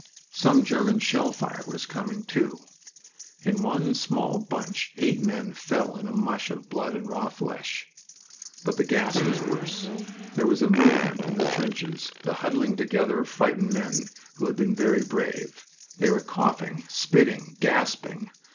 Some German shell fire was coming, too. In one small bunch eight men fell in a mush of blood and raw flesh. But the gas was worse. There was a movement in the trenches, the huddling together of frightened men who had been very brave. They were coughing, spitting, gasping.